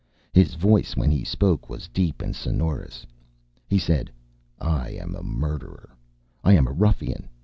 His voice, when he spoke, was deep and sonorous. He said, "I am a murderer. I am a ruffian.